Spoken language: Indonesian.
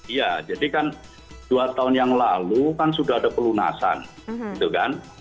iya jadi kan dua tahun yang lalu kan sudah ada pelunasan gitu kan